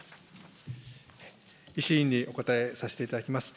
石井委員にお答えさせていただきます。